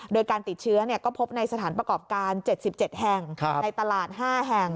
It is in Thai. โดยการติดเชื้อก็พบในสถานประกอบการ๗๗แห่งในตลาด๕แห่ง